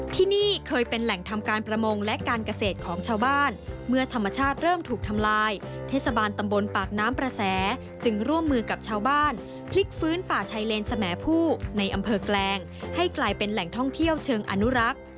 ที่นี่เคยเป็นแหล่งทำการประมงและการเกษตรของชาวบ้านเมื่อธรรมชาติเริ่มถูกทำลายเทศบาลตำบลปากน้ำประแสจึงร่วมมือกับชาวบ้านพลิกฟื้นป่าชายเลนสมผู้ในอำเภอแกลงให้กลายเป็นแหล่งท่องเที่ยวเชิงอนุรักษ์